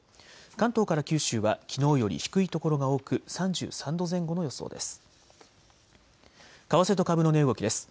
関東から九州はきのうより低い所が多く３３度前後の予想です。